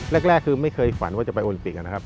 แรกคือไม่เคยฝันว่าจะไปโอลิมปิกนะครับ